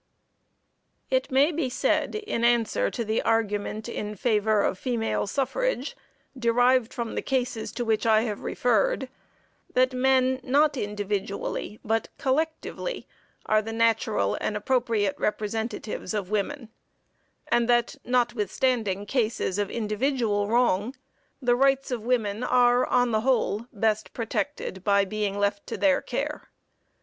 It may be said in answer to the argument in favor of female suffrage derived from the cases to which I have referred, that men, not individually, but collectively, are the natural and appropriate representatives of women, and that, notwithstanding cases of individual wrong, the rights of women are, on the whole, best protected by being left to their care.